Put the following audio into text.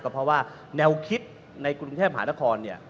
เพราะว่าแนวคิดในกรุงเทพหานครเนี่ย